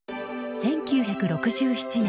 １９６７年